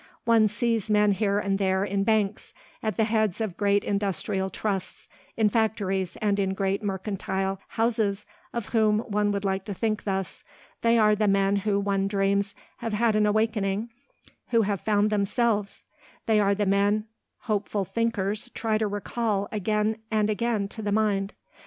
One sees men here and there in banks, at the heads of great industrial trusts, in factories and in great mercantile houses of whom one would like to think thus. They are the men who one dreams have had an awakening, who have found themselves; they are the men hopeful thinkers try to recall again and again to the mind.